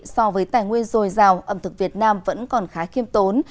so với tài nguyên dồi dào ẩm thực việt nam vẫn còn khá khiêm tốn